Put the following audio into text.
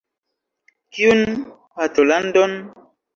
Kiun patrolandon?